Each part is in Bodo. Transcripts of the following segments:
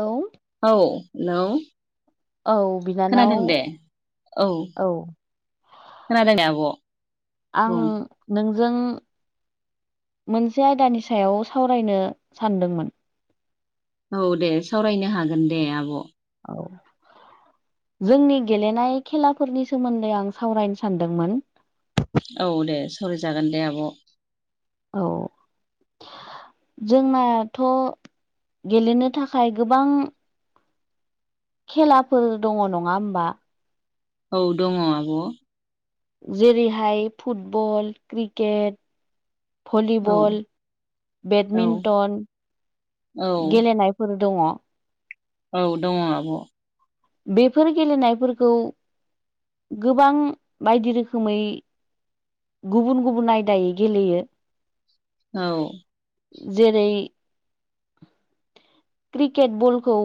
औ औ हेलौ औ बिनानाव खोनादों दे औ खोनादों दे आब' आं बुं नोंजों मोनसे आयदानि सायाव सावरायनो सानदोंमोन औ दे सावरायनो हागोन दे आब' औ जोंनि गेलेनाय खेलाफोरनि सोमोन्दै आं सावरायनो सानदोंमोन औ दे सावरायजागोन दे आब' औ जोंनाथ' गेलेनो थाखाय गोबां खेलाफोर दङ नङा होमबा औ दङ आब' जेरैहाय फुटबल क्रिकेट भलिबल औ बेडमिन्टन औ गेलेनाय फोर दङ औ दङ आब' बेफोर गेलेनायफोरखौ गोबां बायदि रोखोमै गुबुन गुबुन आयदायै गेलेयो औ जेरै क्रिकेट बलखौ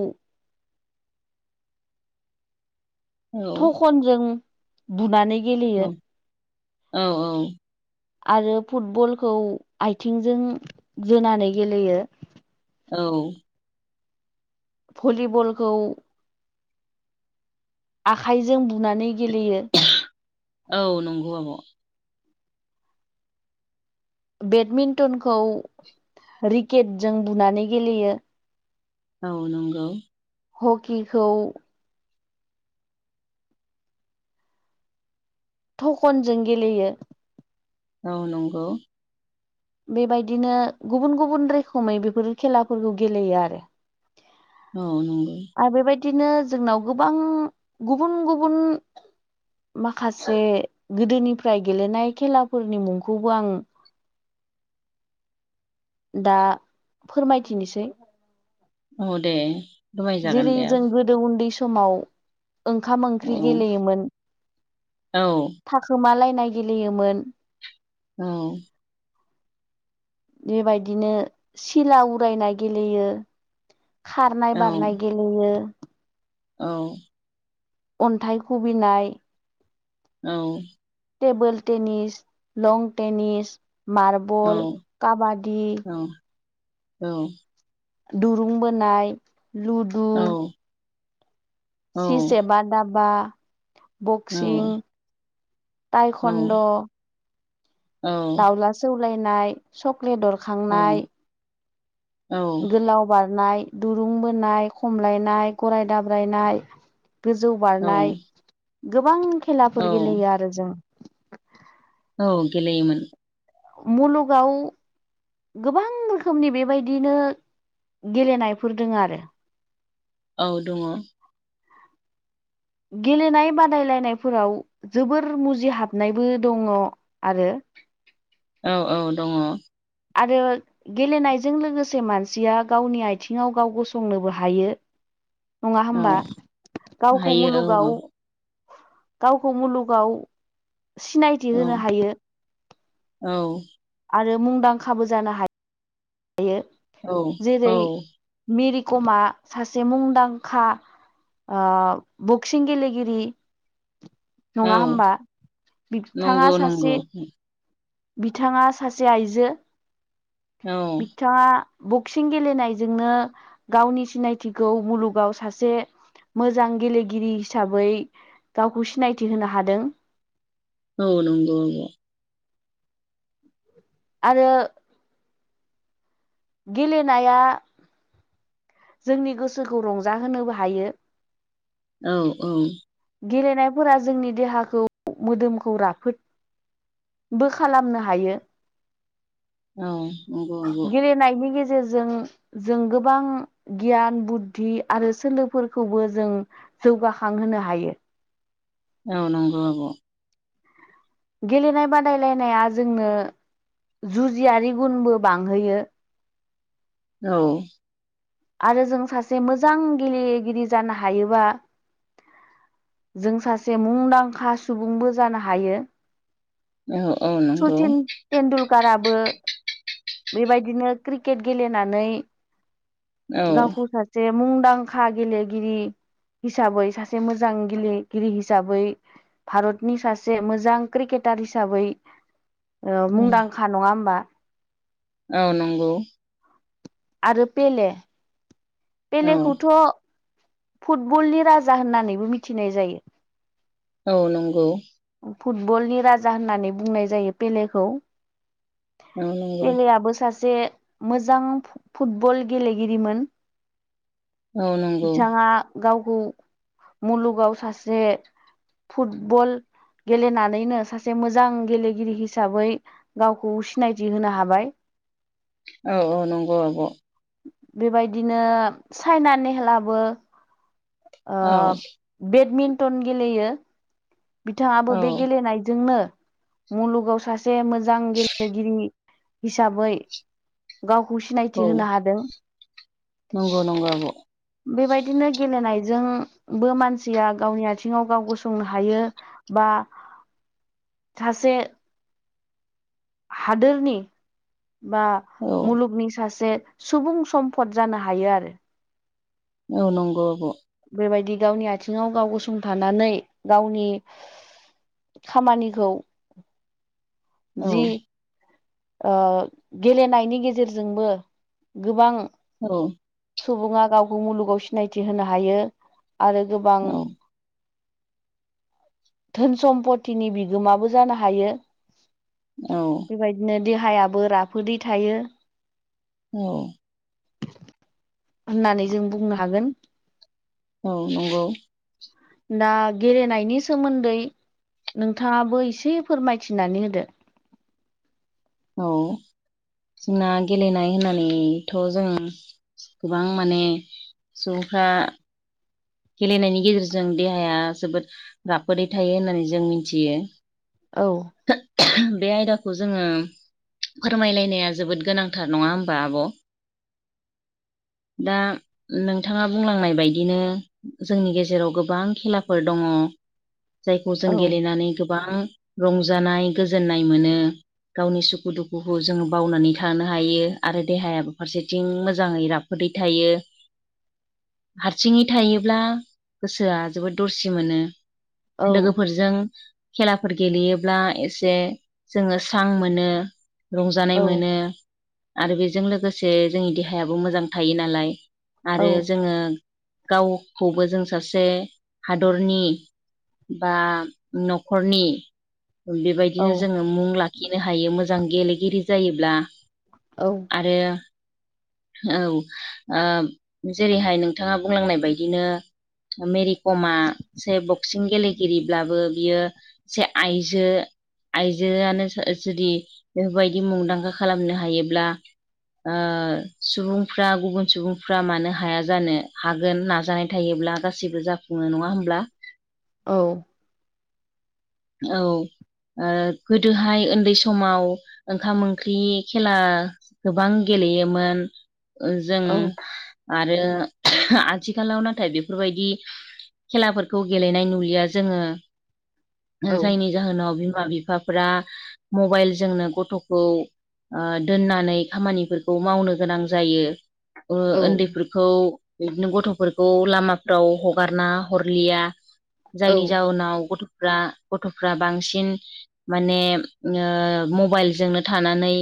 औ थखनजों बुनानै गेलेयो औ-औ आरो फुटबलखौ आथिंजों जोनानै गेलेयो औ भलिबलखौ आखाइजों बुनानै गेलेयो औ नंगौ आब' बेडमिन्टनखौ रिकेटजों बुनानै गेलेयो औ नोंगौ हकिखौ थकनजों गेलेयो औ नंगौ बेबायदिनो गुबुन गुबुन रोखोमै बेफोर खेलाफोरखौ गेलेयो आरो औ नंगौ आरो बेबायदिनो जोंनाव गोबां गुबुन गुबुन माखासे गोदोनिफ्राय गेलेनाय खेलाफोरनि मुंखौबो आं दा फोरमायथिनोसै औ दे फोरमायजागोन जेरै दे जों आब' गोदो उन्दै समाव ओंखाम औ ओंख्रि गेलेयोमोन औ थाखोमालायनाय गेलेयोमोन औ बेबायदिनो सिला उरायनाय गेलेयो औ खारनाय बारनाय गेले लेयो औ अन्थाइ खुबैनाय औ टेबोल टेनस लं टेनस मार्बल काबादि औ-औ-औ दुरुं बोनाय लुद औ सि सेबा धाबा औ बक्सिं औ टाइखन्द' औ दाउला सौलायनाय सक्लेट दरखांनाय औ गोलाव बारनाय दुरुं बोनाय खमलायनाय गरराय दाब्रायनाय गोजौ औ बारनाय गोबां औ खेलाफोर गेलेयो आरो जों औ गेलेयोमोन मुलुगाव गोबां रोखोमनि बेबायदिनो गेलेनायफोर दङ आरो औ दङ गेलेनाय बादायलायनायफोराव जोबोर मुजिहाबनायबो दङ आरो औ-औ दङ आरो गेलेनायजों लोगोसे मानसिया गावनि आथिङाव गाव गसंनोबो हायो नङा औ होमबा गावखौ हायो औ मुलुगाव गावखौ मुलुगाव सिनाय थि औ हायो औ आरो मुंदांखाबो जानो हा यो औ औ जेरै मेरि कमा सासे मुंदांखा ओ बक्सिं गेलेगिरि औ नङा होमबा बिथाङा नंगौ सासे नंगौ बिथाङा सासे आइजो औ बिथाङा बक्सिं गेलेनायजोंनो गावनि सिनायथिखौ मुलुगाव सासे मोजां गेलेगिरि हिसाबै गावखौ सिनायथि होनो हादों औ नंगौ नंगौ आरो गेलेनाया जोंनि गोसोखौ रंजाहोनोबो हायो औ-औ गेलेनायफोरा जोंनि देहाखौ मोदोमखौ राफोद बो खालामनो हायो। औ नंगौ गेलेनायनि गेजेरजों जों गोबां गियान बुद्धि आरो सोलोफोरखौबो जों जौगाखांहोनो हायो औ नंगौ आब' गेलेनाय बादायलायनाया जोंनो जुजियारि गुनबो बांहोयो औ आरो जों सासे मोजां गेलेगिरि जानो हायोबा जों सासे मुंदांखा सुबुंबो जानो हायो औ-औ नंगौ टेन्दुलकाराबो बेबायदिनो क्रिकेट गेलेनानै औ गावखौ सासे मुंदांखा गेलेगिरि हिसाबै सासे मोजां गेलेगिरि हिसाबै भारतनि सासे मोजां क्रिकेटार हिसाबै मुंदांखा नङा होमबा औ नंगौ आरो पले औ पेलेखौथ' फुटबलनि राजा होननानैबो मिथिनाय जायो औ नंगौ फुटबलनि राजा होननानै बुंनाय जायो पेलेखौ औ नंगौ पेलेयाबो सासे मोजां फुटबल गेलेगिरिमोन औ नंगौ बिथाङा गावखौ मुलुगाव सासे फुटबल गेलेनानैनो सासे मोजां गेलेगिरि हिसाबै गावखौ सिनायथि होनो हाबाय औ औ नंगौ आब' बेबायदिनो चाइना नेहलाबो औ बेडमिन्टन गेलेयो बिथांङाबो बे औ गेलेनायजोंनो मुलुगाव सासे मोजां गेलेगिरि हिसाबै गावखौ सिनायथि औ होनो हादों। नंगौ नंगौ आब बेबायदिनो गेलेनायजोंबो मानसिया गावनि आथिंङाव गाव गसंनो हायो। बा सासे हादोरनि बा औ मुलुगनि सासे सुबुं सम्फद जानो हायो आरो औ नंगौ आब बेबायदि गावनि आथिङाव गाव गसंथानानै गावनि खामानिखौ औ जि ओ गेलेनायनि गेजेरजोंबो गोबां औ सुबुंङा गावखौ मुलुगाव सिनायथि होनो हायो आरो गोबां धोन सम्पतिनि बिगोमाबो जानो हायो। औ बेबायदिनो देहायाबो राफोदै थायो। औ होननानै जों बुंनो हागोन। औ नंगौ दा गेलेनायनि सोमोन्दै नोंथाङाबो एसे फोरमायथिनानै होदो। औ जोंना गेलेनाय होननानैथ' जों गोबां माने सुबुंफ्रा गेलेनायनि गेजेरजों देहाया जोबोद राफोदै थायो होननानै जों मिथियो औ बे आयदाखौ जोंङो फोरमायलायनाया जोबोद गोनांथार नःङा होमबा आब' ज [inaudible] दा नोंथांङा बुंलांनाय बायदिनो जोंनि गेजेराव गोबां खेलाफोर दंङो जायखौ जों औ गेलेनानै गोबां रंजानाय गोजोननाय मोनो गावनि सुखु दुखुखौ जोंङो बावनानै थानो हायो आरो देहायाबो फारसेथिं मोजाङै राफो खदै थायो। [inaudible] हारसिंङै थायोब्ला गोसोआ जोबोद दरसि मोनो औ लोगोफोरजों खेलाफोरखौ गेलेयोब्ला एसे जोंङो स्रां मोनो रंजानाय मोनो आरो बेजों लोगोसे जोंनि देहायाबो मोजां थायो नालाय औ आरो जोंङो गावखौबो जों सासे हादरनि बा न'खरनि बेबायदिनो औ जोंङो मुं लाखिनो हायो मोजां गेलेगिरि जायोब्ला औ आरो औ जेरैहाय नोंथांङा बुंलांनाय बायदिनो मेरिकमा एसे बक्सिं गेलेगिरिब्लाबो बियो एसे आइजो आइजोयानो जुदि बेफोरबायदि मुंदांखा खालामनो हायोब्ला आ सुबुंफ्रा गुबुन सुबुंफ्रा मानो हाया जानो हागोन नाजानाय फोथायोब्ला गासैबो जाफुङो नङा होमब्ला औ औ गोदोहाय उन्दै समाव ओंखाम ओंख्रि खेला गोबां गेलेयोमोन जों औ आरो आथिखालाव नाथाय बेफोरबायदि खेलाफोरखौ गेलेनाय नुलिया जोङो औ जायनि जाहोनाव बिमा बिफाफ्रा मबाइलजोंनो गथ'खौ ओ दोननानै खामानिफोरखौ मावनो गोनां जायो औ उन्दैफोरखौ खौ बिदिनो गथ'फोरखौ लामाफ्राव हगारना हरलिया औ जायनि जाउनाव गथ'फ्रा गथ'फ्रा बांसिन माने ओ मबाइलजोंनो थानानै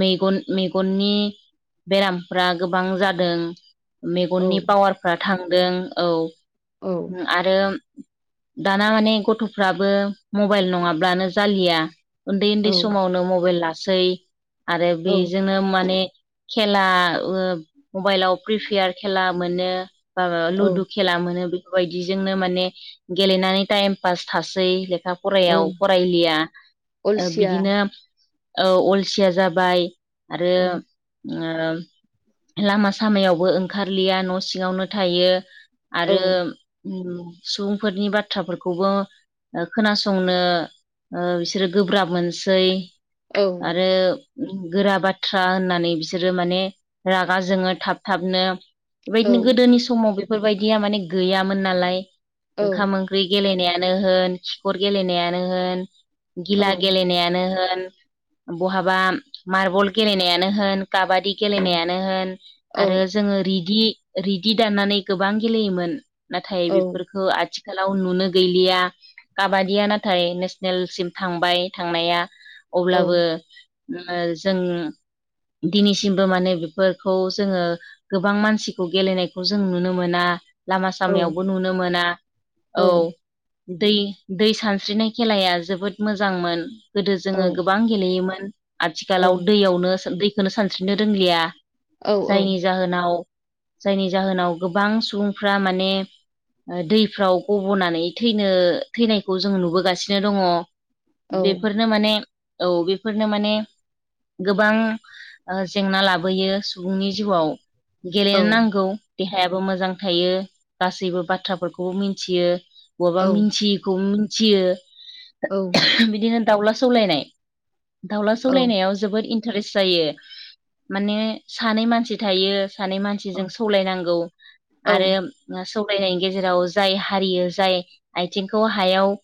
मेगन मेगननि बेरामफ्रा गोबां जादों औ मेगननि पावारफ्रा थांदों औ औ आरो दाना माने गथ'फ्राबो मबाइल नङाब्लानो जालिया उन्दै औ उन्दै समावनो मबाइल लासै आरो औ बेजोंनो माने खेला ओ मबाइलाव प्रिफेयार खेला मोनो बा औ लुदु खेला मोनो बेफोरबायदिजोंनो माने गेलेनानै टाइम पास थासै लेखा औ फरायाव फरायलिया अलसिया बिदिनो अलसिया जाबाय आरो औ ओ लामा सामायावबो ओंखारलिया न' सिङावनो थायो औ आरो सुबुंफोरनि बाथ्राफोरखौबो ओ खोनासंनो ओ बिसोरो गोब्राब मोनसै औ आरो गोरा बाथ्रा होननानै बिसोरो माने रागा जोङो थाब थाबनो औ बेबायदिनो गोदोनि समाव बेफोरबायदिया माने गैयामोन नालाय औ ओंखाम ओंख्रि गेलेनायानो होन खिखर गेलेनायानो होन औ गिला गेलेनायानो होन बहाबा मार्बल गेलेनायानो होन काबादि औ गेलेनायानो होन आरो जोङो रिदि रिदि दाननानै गोबां गेलेयोमोन नाथाय बेफोरखौ आथिखालाव नुनो गैला काबादिया नाथाय नेसनेलसिम थांबाय थांनाया अब्लाबो ओ जों दिनैसिमबो माने बेफोरखौ जोङो गोबां मानसिखौ गेलेनायखौ जों नुनो मोना लामा सामायावबो नुनो मोना औ दै दै सानस्रिनाय खेलाया जोबोद मोजांमोन गोदो जोङो गोबां गेलेयोमोन आथिखालाव दैयावनो दैखौनो सानस्रिनो रोंलिया जायनि जाहोनाव जायनि जाहोनाव गोबां सुबुंफ्रा माने दैफ्राव गब'नानै थैनो थैनायखौ जों नुबोगासिनो दङ बेफोर नो माने औ बेफोरनो माने गोबां ओ जेंना लाबोयो सुबुंनि जिउआव गेलेनो नांगौ देहायाबो मोजां थायो गासैबो बाथ्राफोरखौ मिथियो बबेबा मिथियैखौबो मिथियो औ बिदिनो दाउला सौलायनाय दाउला औ सौलायनायाव जोबोद इटारेस जायो माने सानै मानसि थायो सानै मानसिजों सौलायनांगौ औ आरो सौलायनायनि गेजेराव जाय हारियो जाय आथिंखौ हायाव ओ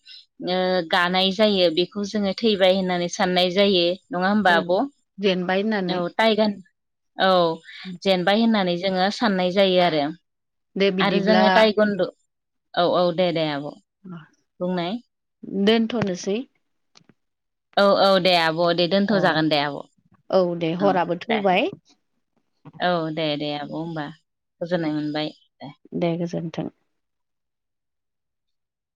गानाय जायो बेखौ जोङो थैबाय होननानै साननाय जायो नङा औ होमबा आब' जेनबाय होननानै औ टाइगान औ जेनबाय होननानै जोङो साननाय जायो आरो दे आरो बिदिब्ला जोङो टाइकुन्द' औ औ दे दे आब' [inaudible] बुंनाय दोनथ'नोसै औ औ दे आब' दे दोन्थ' औ जागोन दे आब' औ दे हराबो दे थौबाय औ दे दे आब' होनबा गोजोननाय मोनबाय दे। दे गोजोन्थों